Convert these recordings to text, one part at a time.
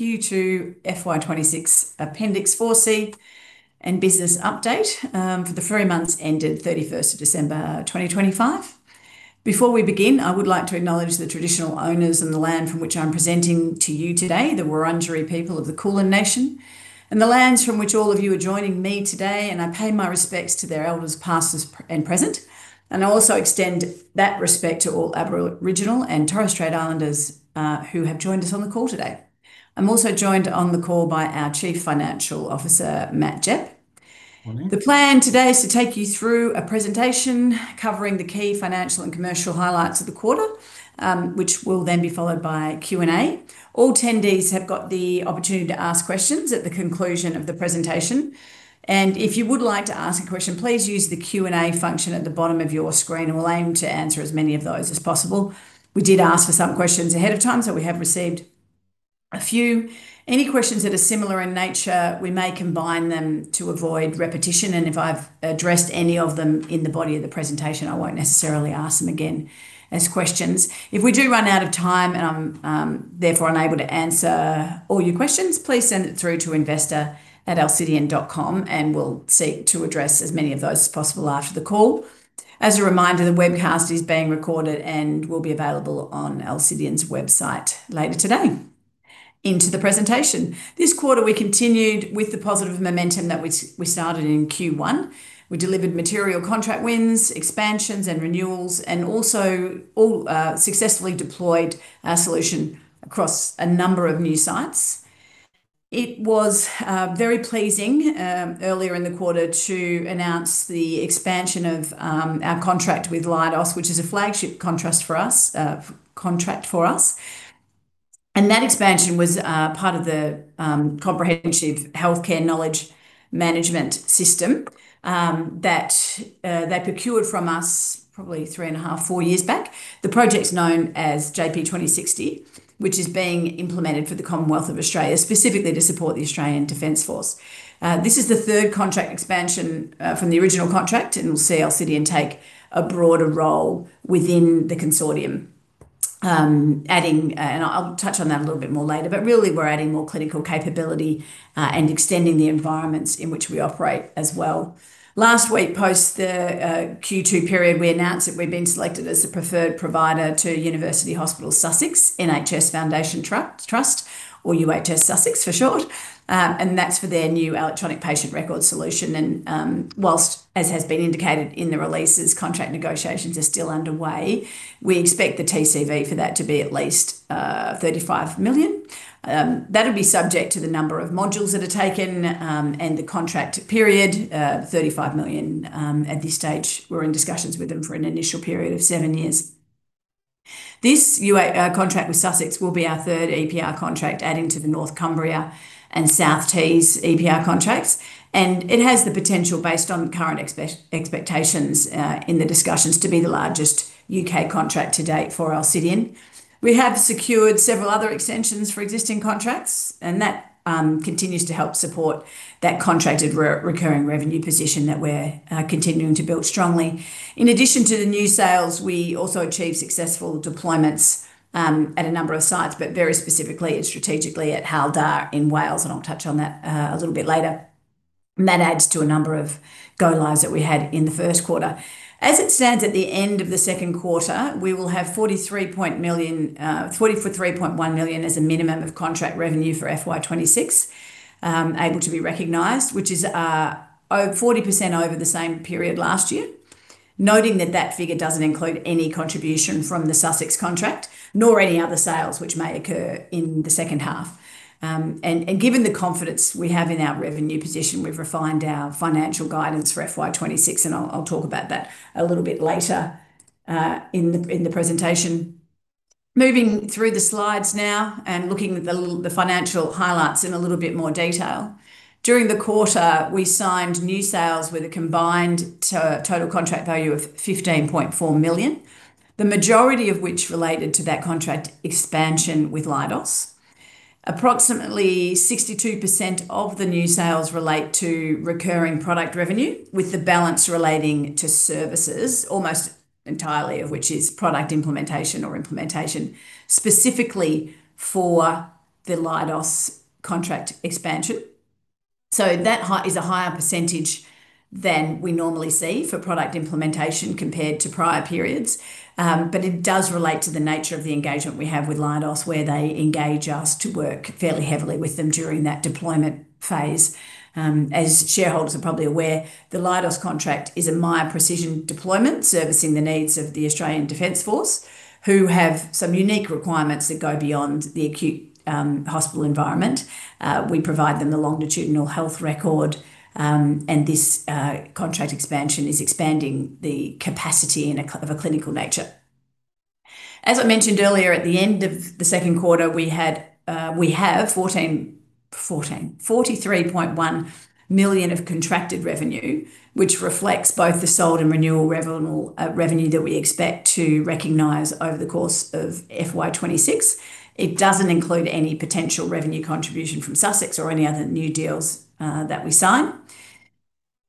Q2 FY 2026 Appendix 4C and business update for the three months ended 31st of December 2025. Before we begin, I would like to acknowledge the traditional owners and the land from which I'm presenting to you today, the Wurundjeri people of the Kulin Nation, and the lands from which all of you are joining me today. I pay my respects to their elders, past and present. I also extend that respect to all Aboriginal and Torres Strait Islanders who have joined us on the call today. I'm also joined on the call by our Chief Financial Officer, Matt Gepp. Morning. The plan today is to take you through a presentation covering the key financial and commercial highlights of the quarter, which will then be followed by Q&A. All attendees have got the opportunity to ask questions at the conclusion of the presentation. And if you would like to ask a question, please use the Q&A function at the bottom of your screen, and we'll aim to answer as many of those as possible. We did ask for some questions ahead of time, so we have received a few. Any questions that are similar in nature, we may combine them to avoid repetition. And if I've addressed any of them in the body of the presentation, I won't necessarily ask them again as questions. If we do run out of time and I'm therefore unable to answer all your questions, please send it through to investor@alcidion.com, and we'll seek to address as many of those as possible after the call. As a reminder, the webcast is being recorded and will be available on Alcidion's website later today. Into the presentation. This quarter, we continued with the positive momentum that we started in Q1. We delivered material contract wins, expansions, and renewals, and also successfully deployed our solution across a number of new sites. It was very pleasing earlier in the quarter to announce the expansion of our contract with Leidos, which is a flagship contract for us, and that expansion was part of the comprehensive healthcare knowledge management system that they procured from us probably three and a half, four years back. The project's known as JP2060, which is being implemented for the Commonwealth of Australia, specifically to support the Australian Defence Force. This is the third contract expansion from the original contract, and we'll see Alcidion take a broader role within the consortium, adding, and I'll touch on that a little bit more later, but really we're adding more clinical capability and extending the environments in which we operate as well. Last week, post the Q2 period, we announced that we've been selected as the preferred provider to University Hospitals Sussex NHS Foundation Trust, or UHS Sussex for short. That's for their new electronic patient record solution. Whilst, as has been indicated in the releases, contract negotiations are still underway, we expect the TCV for that to be at least 35 million. That will be subject to the number of modules that are taken and the contract period, 35 million at this stage. We're in discussions with them for an initial period of seven years. This contract with Sussex will be our third EPR contract, adding to the North Cumbria and South Tees EPR contracts, and it has the potential, based on current expectations in the discussions, to be the largest U.K. contract to date for Alcidion. We have secured several other extensions for existing contracts, and that continues to help support that contracted recurring revenue position that we're continuing to build strongly. In addition to the new sales, we also achieved successful deployments at a number of sites, but very specifically and strategically at Hywel Dda in Wales, and I'll touch on that a little bit later, and that adds to a number of go-lives that we had in the first quarter. As it stands at the end of the second quarter, we will have 43.1 million as a minimum of contract revenue for FY 2026 able to be recognized, which is 40% over the same period last year, noting that that figure doesn't include any contribution from the Sussex contract nor any other sales which may occur in the second half, and given the confidence we have in our revenue position, we've refined our financial guidance for FY 2026, and I'll talk about that a little bit later in the presentation. Moving through the slides now and looking at the financial highlights in a little bit more detail, during the quarter, we signed new sales with a combined total contract value of 15.4 million, the majority of which related to that contract expansion with Leidos. Approximately 62% of the new sales relate to recurring product revenue, with the balance relating to services, almost entirely of which is product implementation or implementation specifically for the Leidos contract expansion. So that is a higher percentage than we normally see for product implementation compared to prior periods. But it does relate to the nature of the engagement we have with Leidos, where they engage us to work fairly heavily with them during that deployment phase. As shareholders are probably aware, the Leidos contract is a Miya Precision deployment servicing the needs of the Australian Defence Force, who have some unique requirements that go beyond the acute hospital environment. We provide them the longitudinal health record, and this contract expansion is expanding the capacity of a clinical nature. As I mentioned earlier, at the end of the second quarter, we have 43.1 million of contracted revenue, which reflects both the sold and renewal revenue that we expect to recognize over the course of FY 2026. It doesn't include any potential revenue contribution from Sussex or any other new deals that we sign.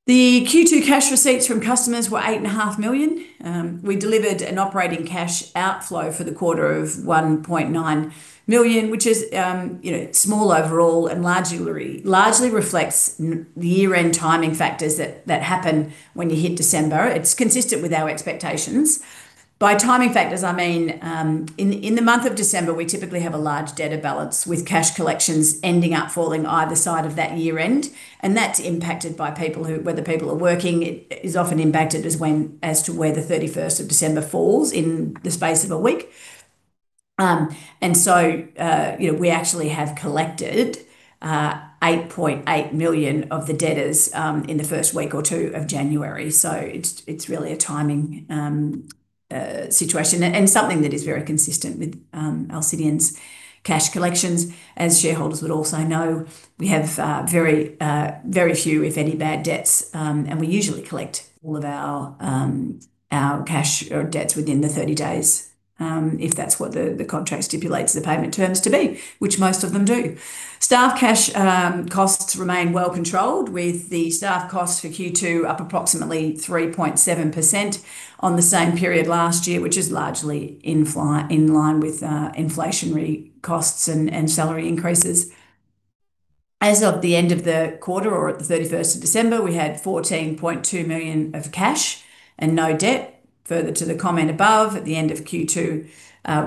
The Q2 cash receipts from customers were 8.5 million. We delivered an operating cash outflow for the quarter of 1.9 million, which is small overall and largely reflects the year-end timing factors that happen when you hit December. It's consistent with our expectations. By timing factors, I mean in the month of December, we typically have a large debit balance with cash collections ending up falling either side of that year-end. And that's impacted by people who, whether people are working, it is often impacted as to where the 31st of December falls in the space of a week. And so we actually have collected 8.8 million of the debtors in the first week or two of January. So it's really a timing situation and something that is very consistent with Alcidion's cash collections. As shareholders would also know, we have very few, if any, bad debts, and we usually collect all of our cash or debts within the 30 days, if that's what the contract stipulates the payment terms to be, which most of them do. Staff cash costs remain well controlled, with the staff costs for Q2 up approximately 3.7% on the same period last year, which is largely in line with inflationary costs and salary increases. As of the end of the quarter or at the 31st of December, we had 14.2 million of cash and no debt. Further to the comment above, at the end of Q2,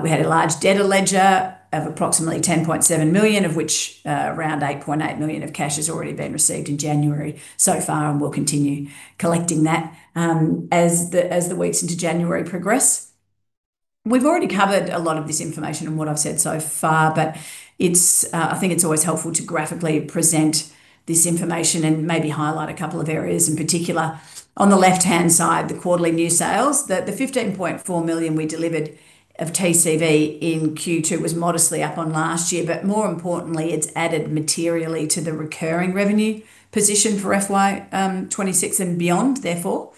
we had a large debt ledger of approximately 10.7 million, of which around 8.8 million of cash has already been received in January so far and will continue collecting that as the weeks into January progress. We've already covered a lot of this information and what I've said so far, but I think it's always helpful to graphically present this information and maybe highlight a couple of areas in particular. On the left-hand side, the quarterly new sales, the 15.4 million we delivered of TCV in Q2 was modestly up on last year, but more importantly, it's added materially to the recurring revenue position for FY 2026 and beyond, therefore.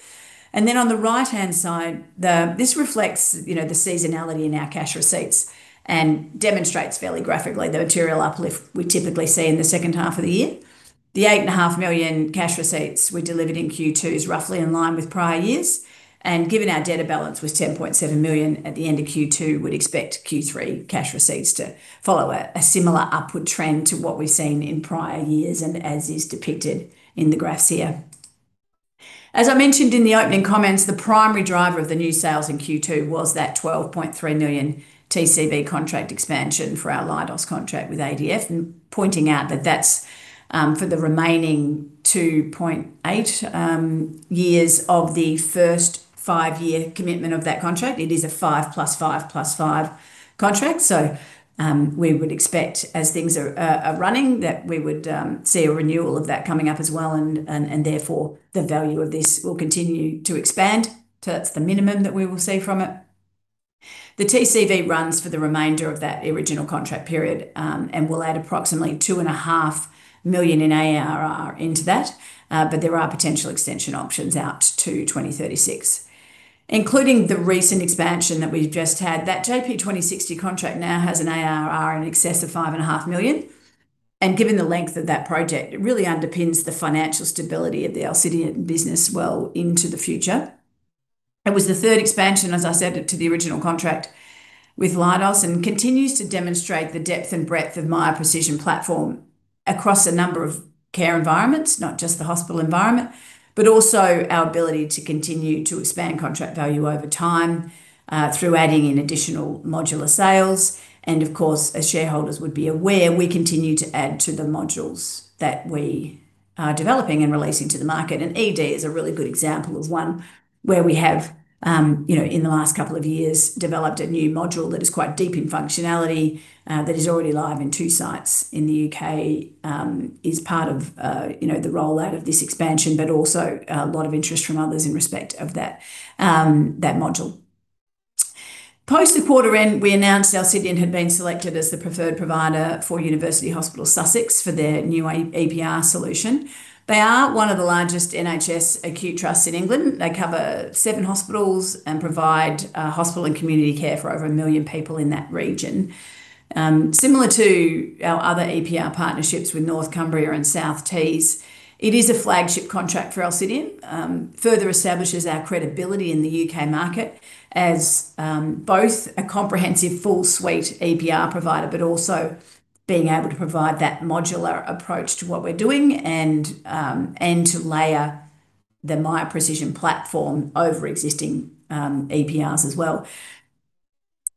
Then on the right-hand side, this reflects the seasonality in our cash receipts and demonstrates fairly graphically the material uplift we typically see in the second half of the year. The 8.5 million cash receipts we delivered in Q2 is roughly in line with prior years. And given our debt balance was 10.7 million at the end of Q2, we'd expect Q3 cash receipts to follow a similar upward trend to what we've seen in prior years and as is depicted in the graphs here. As I mentioned in the opening comments, the primary driver of the new sales in Q2 was that 12.3 million TCV contract expansion for our Leidos contract with ADF, pointing out that that's for the remaining 2.8 years of the 1st five-year commitment of that contract. It is a 5+5+5 contract. So we would expect, as things are running, that we would see a renewal of that coming up as well, and therefore the value of this will continue to expand to the minimum that we will see from it. The TCV runs for the remainder of that original contract period and will add approximately 2.5 million in ARR into that, but there are potential extension options out to 2036, including the recent expansion that we've just had. That JP2060 contract now has an ARR in excess of 5.5 million. And given the length of that project, it really underpins the financial stability of the Alcidion business well into the future. It was the 3rd expansion, as I said, to the original contract with Leidos and continues to demonstrate the depth and breadth of Miya Precision platform across a number of care environments, not just the hospital environment, but also our ability to continue to expand contract value over time through adding in additional modular sales. And of course, as shareholders would be aware, we continue to add to the modules that we are developing and releasing to the market. And ED is a really good example of one where we have, in the last couple of years, developed a new module that is quite deep in functionality that is already live in two sites in the U.K., is part of the rollout of this expansion, but also a lot of interest from others in respect of that module. Post the quarter end, we announced Alcidion had been selected as the preferred provider for University Hospitals Sussex for their new EPR solution. They are one of the largest NHS acute trusts in England. They cover seven hospitals and provide hospital and community care for over a million people in that region. Similar to our other EPR partnerships with North Cumbria and South Tees, it is a flagship contract for Alcidion, further establishes our credibility in the U.K. market as both a comprehensive full suite EPR provider, but also being able to provide that modular approach to what we're doing and to layer the Miya Precision platform over existing EPRs as well.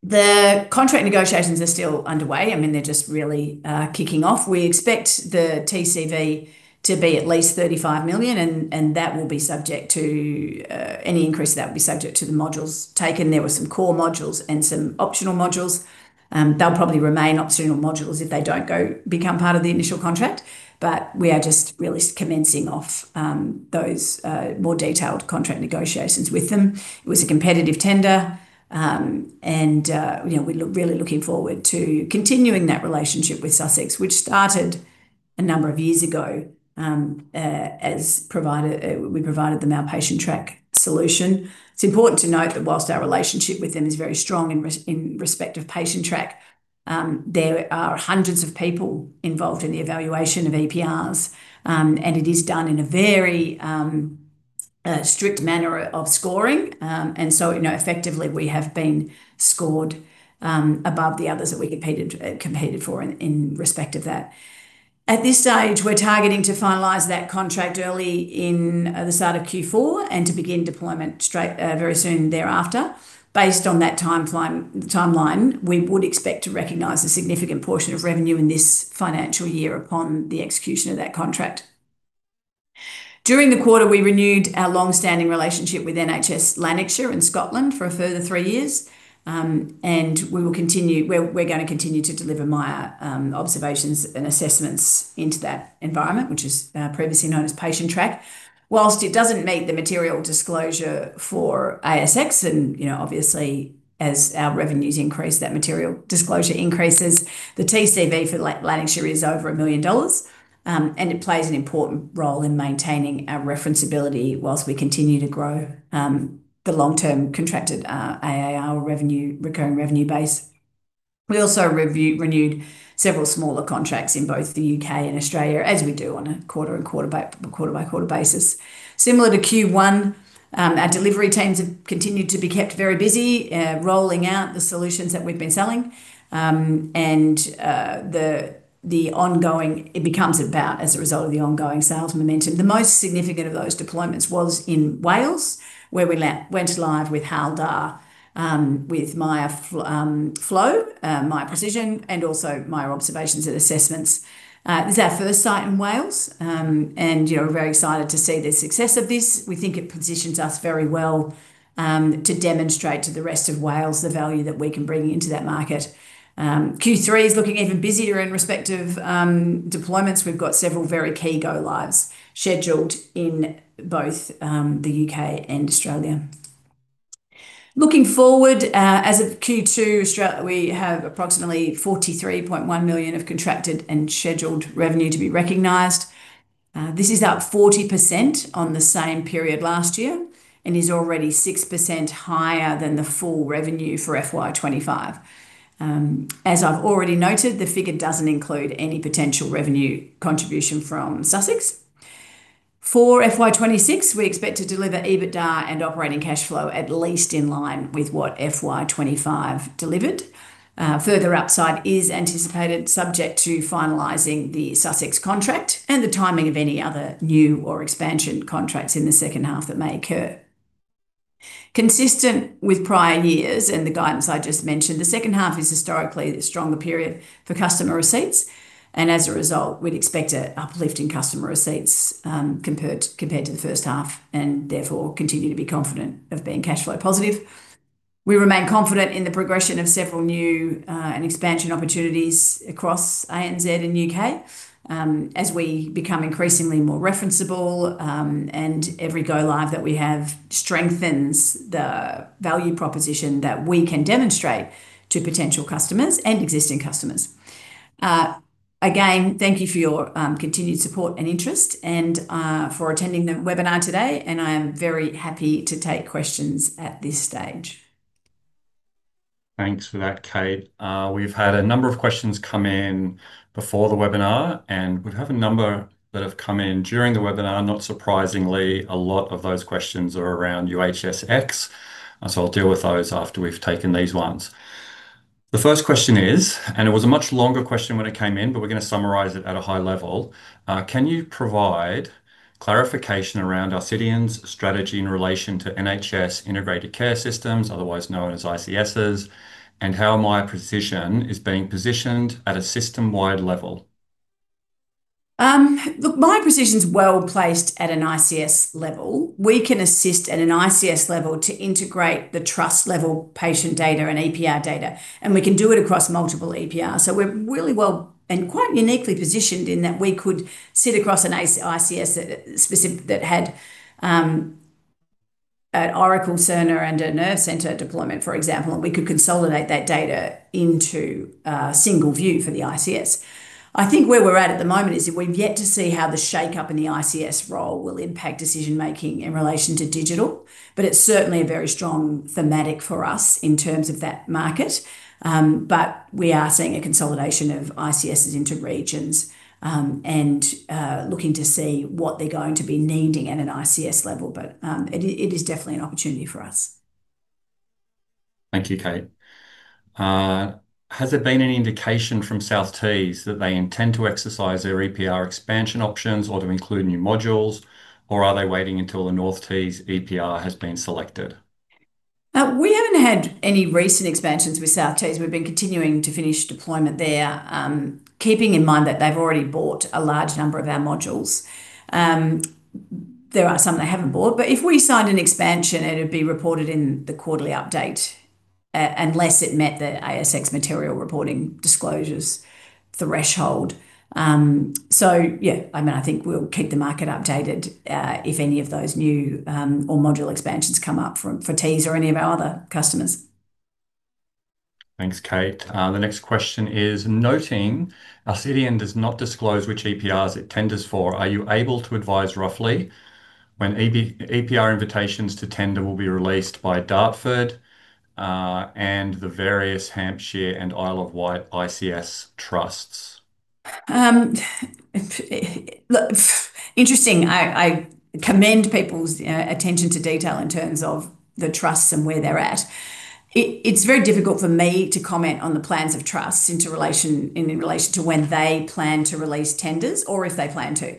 The contract negotiations are still underway. I mean, they're just really kicking off. We expect the TCV to be at least 35 million, and that will be subject to any increase that will be subject to the modules taken. There were some core modules and some optional modules. They'll probably remain optional modules if they don't become part of the initial contract, but we are just really commencing off those more detailed contract negotiations with them. It was a competitive tender, and we're really looking forward to continuing that relationship with Sussex, which started a number of years ago as we provided them our Patientrack solution. It's important to note that whilst our relationship with them is very strong in respect of Patientrack, there are hundreds of people involved in the evaluation of EPRs, and it is done in a very strict manner of scoring. And so effectively, we have been scored above the others that we competed for in respect of that. At this stage, we're targeting to finalize that contract early in the start of Q4 and to begin deployment very soon thereafter. Based on that timeline, we would expect to recognize a significant portion of revenue in this financial year upon the execution of that contract. During the quarter, we renewed our long-standing relationship with NHS Lanarkshire in Scotland for a further three years, and we will continue, we're going to continue to deliver Miya Observations and Assessments into that environment, which is previously known as Patientrack. While it doesn't meet the material disclosure for ASX, and obviously, as our revenues increase, that material disclosure increases. The TCV for Lanarkshire is over 1 million dollars, and it plays an important role in maintaining our referenceability while we continue to grow the long-term contracted ARR or recurring revenue base. We also renewed several smaller contracts in both the U.K. and Australia, as we do on a quarter-by-quarter basis. Similar to Q1, our delivery teams have continued to be kept very busy rolling out the solutions that we've been selling, and it becomes about as a result of the ongoing sales momentum. The most significant of those deployments was in Wales, where we went live with Hywel Dda with Miya Flow, Miya Precision, and also Miya Observations and Assessments. This is our first site in Wales, and we're very excited to see the success of this. We think it positions us very well to demonstrate to the rest of Wales the value that we can bring into that market. Q3 is looking even busier in respect of deployments. We've got several very key go-lives scheduled in both the UK and Australia. Looking forward, as of Q2, we have approximately 43.1 million of contracted and scheduled revenue to be recognized. This is up 40% on the same period last year and is already 6% higher than the full revenue for FY 2025. As I've already noted, the figure doesn't include any potential revenue contribution from Sussex. For FY 2026, we expect to deliver EBITDA and operating cash flow at least in line with what FY 2025 delivered. Further upside is anticipated, subject to finalizing the Sussex contract and the timing of any other new or expansion contracts in the second half that may occur. Consistent with prior years and the guidance I just mentioned, the second half is historically a stronger period for customer receipts. And as a result, we'd expect an uplift in customer receipts compared to the first half and therefore continue to be confident of being cash flow positive. We remain confident in the progression of several new and expansion opportunities across ANZ and UK as we become increasingly more referenceable, and every go-live that we have strengthens the value proposition that we can demonstrate to potential customers and existing customers. Again, thank you for your continued support and interest and for attending the webinar today, and I am very happy to take questions at this stage. Thanks for that, Kate. We've had a number of questions come in before the webinar, and we have a number that have come in during the webinar. Not surprisingly, a lot of those questions are around UHSX, so I'll deal with those after we've taken these ones. The first question is, and it was a much longer question when it came in, but we're going to summarize it at a high level. Can you provide clarification around Alcidion's strategy in relation to NHS Integrated Care Systems, otherwise known as ICSs, and how Miya Precision is being positioned at a system-wide level? Look, Miya Precision's well placed at an ICS level. We can assist at an ICS level to integrate the trust-level patient data and EPR data, and we can do it across multiple EPRs. So we're really well and quite uniquely positioned in that we could sit across an ICS that had an Oracle Cerner and a Nervecentre deployment, for example, and we could consolidate that data into a single view for the ICS. I think where we're at at the moment is that we've yet to see how the shake-up in the ICS role will impact decision-making in relation to digital, but it's certainly a very strong thematic for us in terms of that market. But we are seeing a consolidation of ICSs into regions and looking to see what they're going to be needing at an ICS level, but it is definitely an opportunity for us. Thank you, Kate. Has there been any indication from South Tees that they intend to exercise their EPR expansion options or to include new modules, or are they waiting until the North Tees EPR has been selected? We haven't had any recent expansions with South Tees. We've been continuing to finish deployment there, keeping in mind that they've already bought a large number of our modules. There are some they haven't bought, but if we signed an expansion, it would be reported in the quarterly update unless it met the ASX material reporting disclosures threshold. So yeah, I mean, I think we'll keep the market updated if any of those new or modular expansions come up for Tees or any of our other customers. Thanks, Kate. The next question is, noting Alcidion does not disclose which EPRs it tenders for, are you able to advise roughly when EPR invitations to tender will be released by Dartford and the various Hampshire and Isle of Wight ICS trusts? Interesting. I commend people's attention to detail in terms of the trusts and where they're at. It's very difficult for me to comment on the plans of trusts in relation to when they plan to release tenders or if they plan to.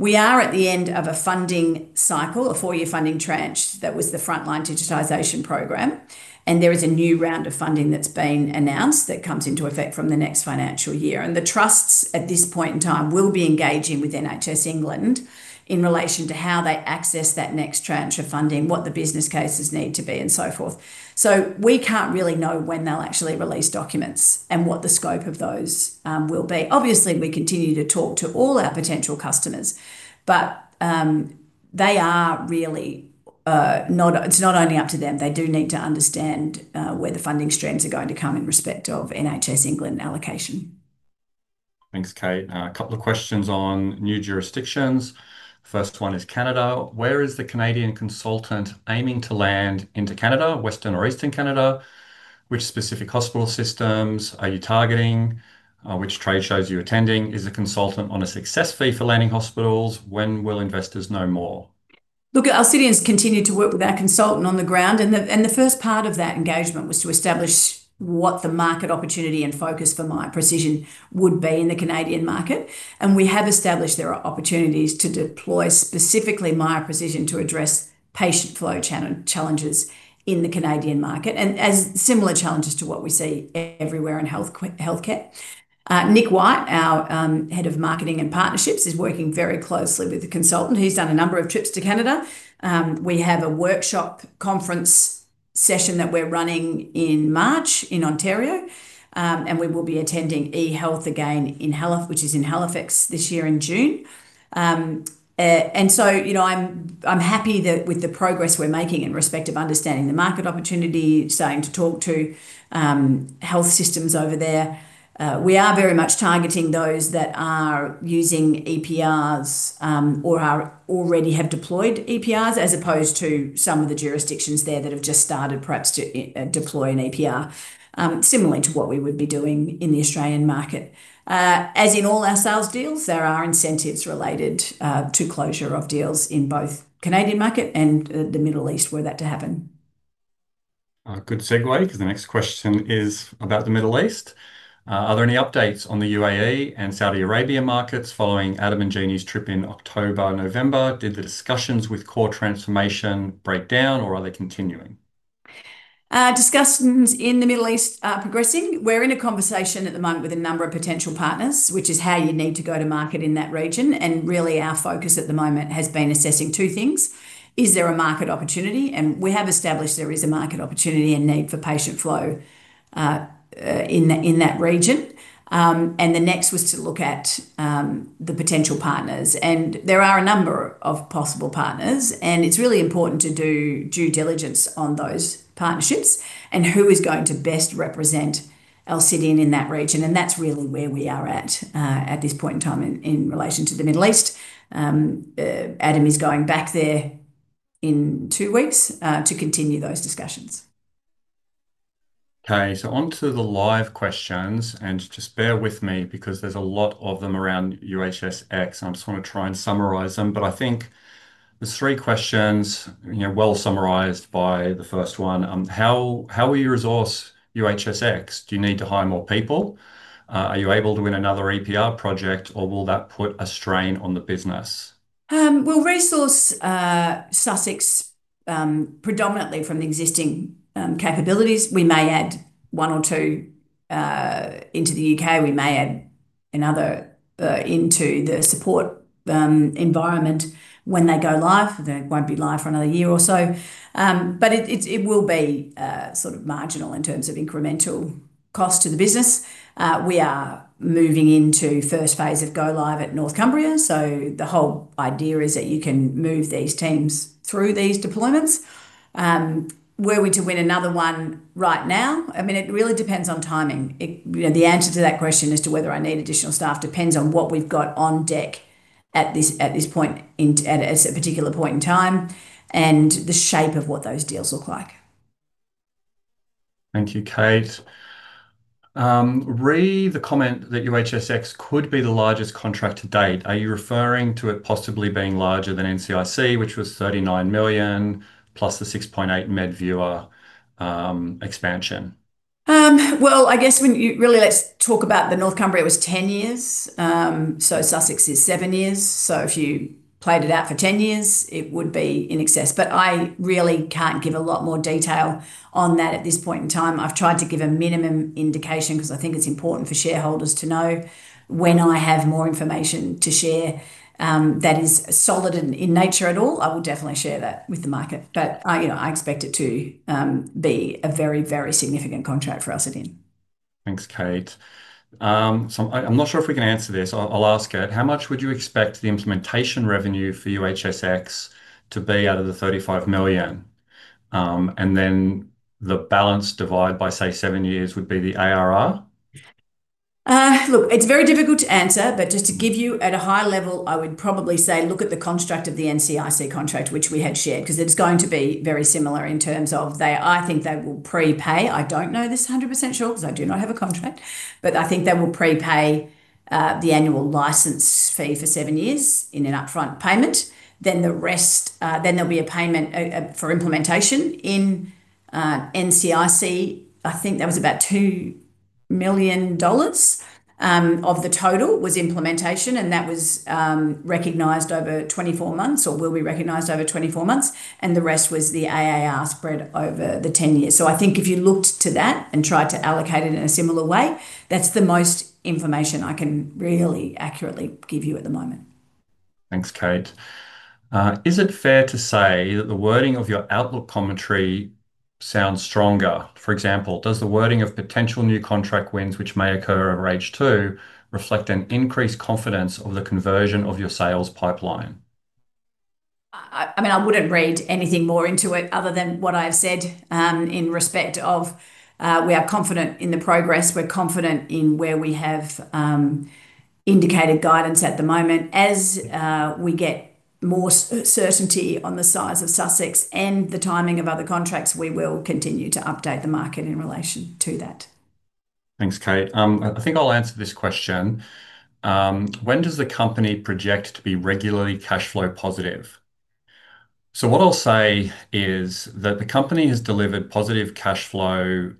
We are at the end of a funding cycle, a four-year funding tranche that was the Frontline Digitisation Programme, and there is a new round of funding that's been announced that comes into effect from the next financial year. And the trusts at this point in time will be engaging with NHS England in relation to how they access that next tranche of funding, what the business cases need to be, and so forth. So we can't really know when they'll actually release documents and what the scope of those will be. Obviously, we continue to talk to all our potential customers, but they are really not; it's not only up to them. They do need to understand where the funding streams are going to come in respect of NHS England allocation. Thanks, Kate. A couple of questions on new jurisdictions. First one is Canada. Where is the Canadian consultant aiming to land into Canada, Western or Eastern Canada? Which specific hospital systems are you targeting? Which trade shows are you attending? Is the consultant on a success fee for landing hospitals? When will investors know more? Look, Alcidion has continued to work with our consultant on the ground, and the first part of that engagement was to establish what the market opportunity and focus for Miya Precision would be in the Canadian market. And we have established there are opportunities to deploy specifically Miya Precision to address patient flow challenges in the Canadian market and similar challenges to what we see everywhere in healthcare. Nick White, our Head of Marketing and Partnerships, is working very closely with the consultant. He's done a number of trips to Canada. We have a workshop conference session that we're running in March in Ontario, and we will be attending e-Health again in Halifax, which is in Halifax this year in June, and so I'm happy with the progress we're making in respect of understanding the market opportunity, starting to talk to health systems over there. We are very much targeting those that are using EPRs or already have deployed EPRs, as opposed to some of the jurisdictions there that have just started perhaps to deploy an EPR, similar to what we would be doing in the Australian market. As in all our sales deals, there are incentives related to closure of deals in both the Canadian market and the Middle East where that is to happen. Good segue, because the next question is about the Middle East. Are there any updates on the UAE and Saudi Arabia markets following Adam and Jayne's trip in October and November? Did the discussions with Core Transformation break down, or are they continuing? Discussions in the Middle East are progressing. We're in a conversation at the moment with a number of potential partners, which is how you need to go to market in that region. And really, our focus at the moment has been assessing two things. Is there a market opportunity? And we have established there is a market opportunity and need for patient flow in that region. And the next was to look at the potential partners. And there are a number of possible partners, and it's really important to do due diligence on those partnerships and who is going to best represent Alcidion in that region. That's really where we are at this point in time in relation to the Middle East. Adam is going back there in two weeks to continue those discussions. Okay, so on to the live questions, and just bear with me because there's a lot of them around UHSX, and I just want to try and summarize them. I think there's three questions well summarized by the first one. How will you resource UHSX? Do you need to hire more people? Are you able to win another EPR project, or will that put a strain on the business? We'll resource Sussex predominantly from the existing capabilities. We may add one or two into the UK. We may add another into the support environment when they go live. They won't be live for another year or so, but it will be sort of marginal in terms of incremental cost to the business. We are moving into the first phase of go-live at North Cumbria. So the whole idea is that you can move these teams through these deployments. Were we to win another one right now? I mean, it really depends on timing. The answer to that question as to whether I need additional staff depends on what we've got on deck at this point, at a particular point in time, and the shape of what those deals look like. Thank you, Kate. Regarding the comment that UHSX could be the largest contract to date. Are you referring to it possibly being larger than NCIC, which was 39 million, plus the 6.8 million MediViewer expansion? I guess when you really let's talk about the North Cumbria, it was 10 years. So Sussex is seven years. So if you played it out for 10 years, it would be in excess. But I really can't give a lot more detail on that at this point in time. I've tried to give a minimum indication because I think it's important for shareholders to know. When I have more information to share that is solid in nature at all, I will definitely share that with the market. But I expect it to be a very, very significant contract for Alcidion. Thanks, Kate. So I'm not sure if we can answer this. I'll ask it. How much would you expect the implementation revenue for UHSX to be out of the 35 million? And then the balance divided by, say, seven years would be the ARR? Look, it's very difficult to answer, but just to give you at a high level, I would probably say look at the construct of the NCIC contract, which we had shared, because it's going to be very similar in terms of I think they will prepay. I don't know this 100% sure because I do not have a contract, but I think they will prepay the annual license fee for seven years in an upfront payment. Then the rest, then there'll be a payment for implementation in NCIC. I think that was about 2 million dollars of the total was implementation, and that was recognized over 24 months or will be recognized over 24 months. And the rest was the ARR spread over the 10 years. So I think if you looked to that and tried to allocate it in a similar way, that's the most information I can really accurately give you at the moment. Thanks, Kate. Is it fair to say that the wording of your outlook commentary sounds stronger? For example, does the wording of potential new contract wins, which may occur over H2, reflect an increased confidence of the conversion of your sales pipeline? I mean, I wouldn't read anything more into it other than what I've said in respect of we are confident in the progress. We're confident in where we have indicated guidance at the moment. As we get more certainty on the size of Sussex and the timing of other contracts, we will continue to update the market in relation to that. Thanks, Kate. I think I'll answer this question. When does the company project to be regularly cash flow positive? So what I'll say is that the company has delivered positive cash flow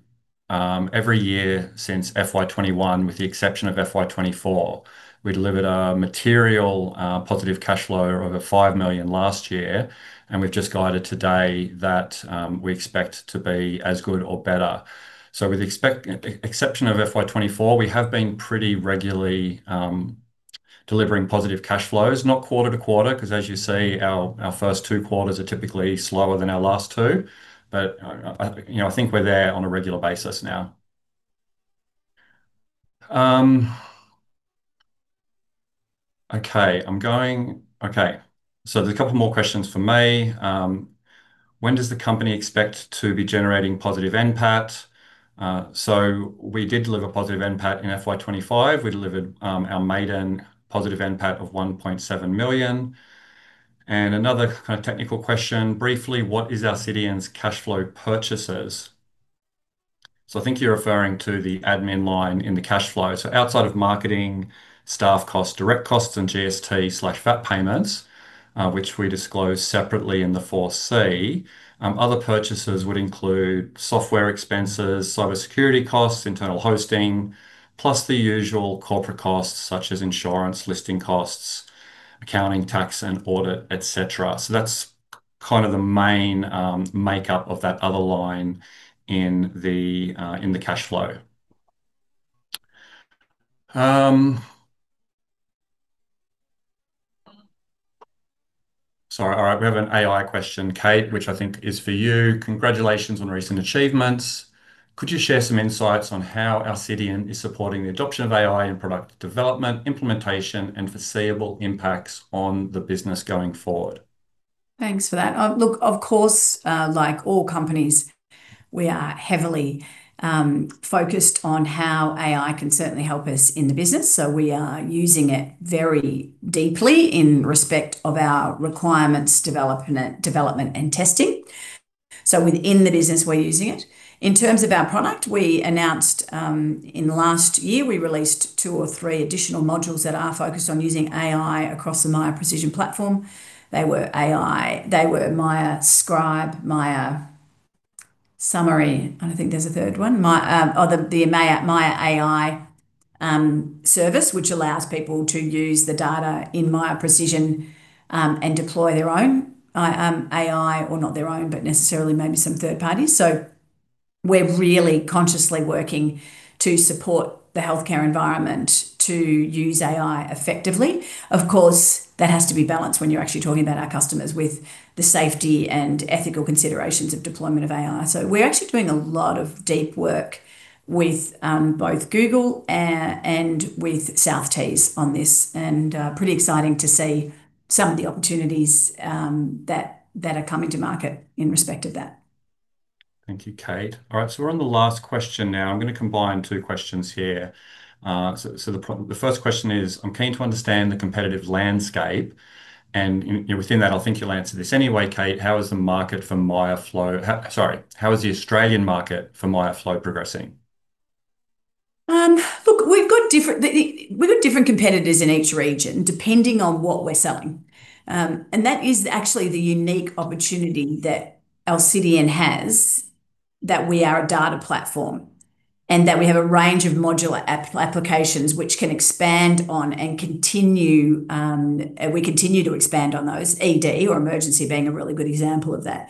every year since FY 2021, with the exception of FY 2024. We delivered a material positive cash flow of 5 million last year, and we've just guided today that we expect to be as good or better. So with the exception of FY 2024, we have been pretty regularly delivering positive cash flows, not quarter to quarter, because as you see, our first two quarters are typically slower than our last two. But I think we're there on a regular basis now. Okay, I'm going okay. So there's a couple more questions for me. When does the company expect to be generating positive NPAT? So we did deliver positive NPAT in FY 2025. We delivered our maiden positive NPAT of 1.7 million. And another kind of technical question, briefly. What is Alcidion's cash flow purchases? So I think you're referring to the admin line in the cash flow. So outside of marketing, staff costs, direct costs, and GST/VAT payments, which we disclose separately in the 4C, other purchases would include software expenses, cybersecurity costs, internal hosting, plus the usual corporate costs such as insurance, listing costs, accounting, tax, and audit, etc. So that's kind of the main makeup of that other line in the cash flow. Sorry, all right. We have an AI question, Kate, which I think is for you. Congratulations on recent achievements. Could you share some insights on how Alcidion is supporting the adoption of AI in product development, implementation, and foreseeable impacts on the business going forward? Thanks for that. Look, of course, like all companies, we are heavily focused on how AI can certainly help us in the business. So we are using it very deeply in respect of our requirements, development, and testing. So within the business, we're using it. In terms of our product, we announced in the last year, we released two or three additional modules that are focused on using AI across the Miya Precision platform. They were Miya AI, they were Miya Scribe, Miya Summary, and I think there's a third one, the Miya AI service, which allows people to use the data in Miya Precision and deploy their own AI, or not their own, but necessarily maybe some third parties. So we're really consciously working to support the healthcare environment to use AI effectively. Of course, that has to be balanced when you're actually talking about our customers with the safety and ethical considerations of deployment of AI. So we're actually doing a lot of deep work with both Google and with South Tees on this, and pretty exciting to see some of the opportunities that are coming to market in respect of that. Thank you, Kate. All right, so we're on the last question now. I'm going to combine two questions here. So the first question is, I'm keen to understand the competitive landscape. And within that, I think you'll answer this anyway, Kate. How is the market for Miya Flow sorry, how is the Australian market for Miya Flow progressing? Look, we've got different competitors in each region depending on what we're selling. That is actually the unique opportunity that Alcidion has, that we are a data platform and that we have a range of modular applications which can expand on and continue to expand on those. ED or emergency being a really good example of that.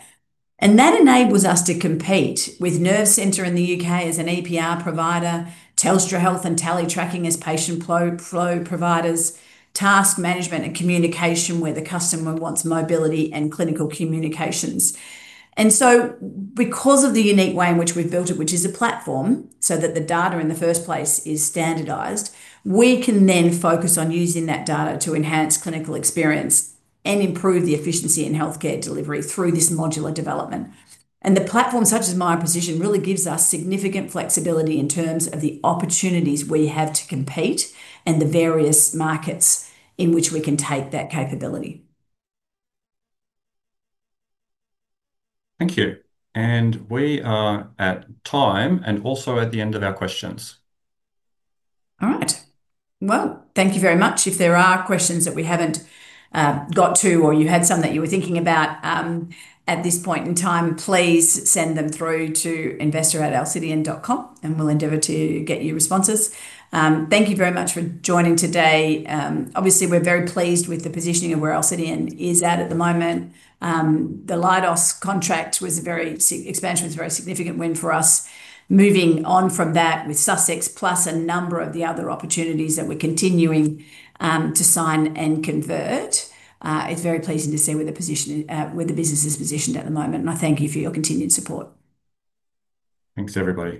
That enables us to compete with Nervecentre in the U.K. as an EPR provider, Telstra Health and TeleTracking as patient flow providers, task management and communication where the customer wants mobility and clinical communications. So because of the unique way in which we've built it, which is a platform so that the data in the first place is standardized, we can then focus on using that data to enhance clinical experience and improve the efficiency in healthcare delivery through this modular development. And the platform such as Miya Precision really gives us significant flexibility in terms of the opportunities we have to compete and the various markets in which we can take that capability. Thank you. And we are at time and also at the end of our questions. All right. Well, thank you very much. If there are questions that we haven't got to or you had some that you were thinking about at this point in time, please send them through to investor@alcidion.com, and we'll endeavor to get you responses. Thank you very much for joining today. Obviously, we're very pleased with the positioning of where Alcidion is at the moment. The Leidos contract expansion was a very significant win for us. Moving on from that with Sussex, plus a number of the other opportunities that we're continuing to sign and convert, it's very pleasing to see where the business is positioned at the moment, and I thank you for your continued support. Thanks, everybody.